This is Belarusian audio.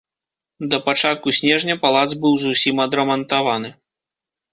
Да пачатку снежня палац быў зусім адрамантаваны.